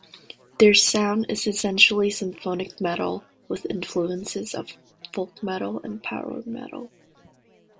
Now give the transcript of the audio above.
Their sound is essentially symphonic metal with influences of folk metal and power metal.